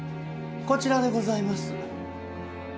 こちらでございます。